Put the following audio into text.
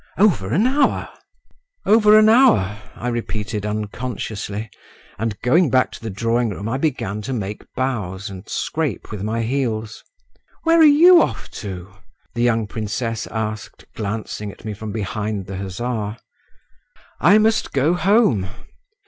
"Over an hour." "Over an hour!" I repeated unconsciously, and going back to the drawing room I began to make bows and scrape with my heels. "Where are you off to?" the young princess asked, glancing at me from behind the hussar. "I must go home.